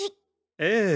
ええ。